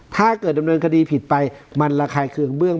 ถ้าเกิดดำเนินคดีผิดไปมันระคายเคืองเบื้อง